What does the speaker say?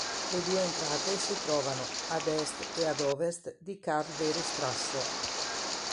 Le due entrate si trovano ad est e ad ovest di Carl-Wery-Straße.